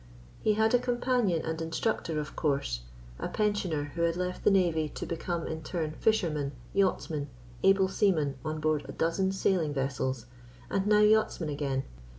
He had a companion and instructor, of course a pensioner who had left the Navy to become in turn fisherman, yachtsman, able seaman on board a dozen sailing vessels, and now yachtsman again.